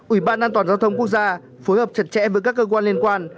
ủy ban an toàn giao thông quốc gia phối hợp chặt chẽ với các cơ quan liên quan